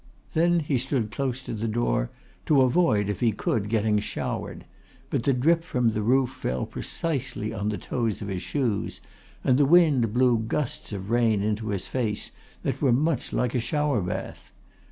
Then he stood close to the door to avoid, if he could, getting showered; but the drip from the roof fell precisely on the toes of his shoes, and the wind blew gusts of rain into his face that were much like a shower bath.